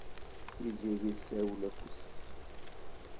Tiziri tesserwel afus-is.